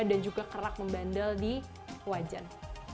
dan juga kerak membandel di wajan